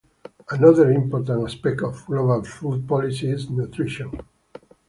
Another important aspect of global food policy is nutrition.